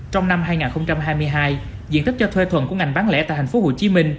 trong năm hai nghìn hai mươi hai diện tích cho thuê thuận của ngành bán lẻ tại tp hcm